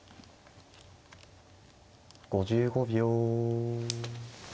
５５秒。